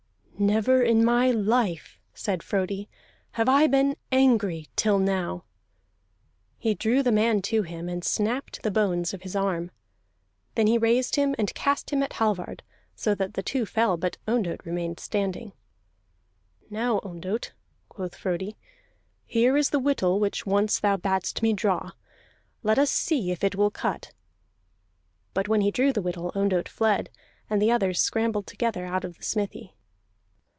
"Never in my life," said Frodi, "have I been angry till now!" He drew the man to him, and snapped the bones of his arm; then he raised him and cast him at Hallvard, so that the two fell, but Ondott remained standing. "Now, Ondott," quoth Frodi, "here is the whittle which once thou badst me draw. Let us see if it will cut!" But when he drew the whittle, Ondott fled, and the others scrambled together out of the smithy.